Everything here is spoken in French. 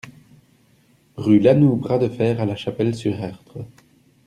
Rue Lanoue Bras de Fer à La Chapelle-sur-Erdre